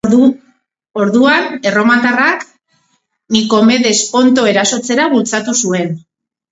Orduan, erromatarrak Nikomedes Ponto erasotzera bultzatu zuen.